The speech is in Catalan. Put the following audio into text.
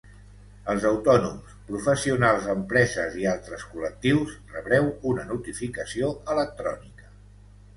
Els autònoms, professionals, empreses i altres col·lectius rebreu una notificació electrònica.